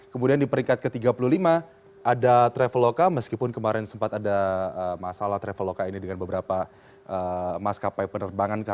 kemudian di peringkat ke tiga puluh lima ada traveloka meskipun kemarin sempat ada masalah traveloka ini dengan beberapa maskapai penerbangan